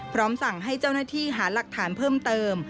พร้อมสั่งให้เจ้าหน้าที่หาหลักฐานเพิ่มเติม